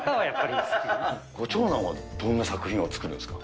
ご長男は、どんな作品を作るんですか。